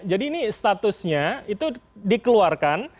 ini statusnya itu dikeluarkan